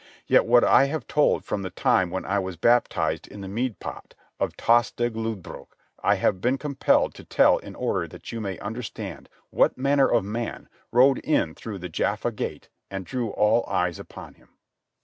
Yet what I have told from the time when I was baptized in the mead pot of Tostig Lodbrog I have been compelled to tell in order that you may understand what manner of man rode in through the Jaffa Gate and drew all eyes upon him.